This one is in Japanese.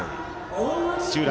土浦